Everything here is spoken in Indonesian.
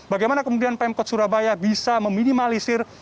bagaimana kemudian pemkot surabaya bisa meminimalisir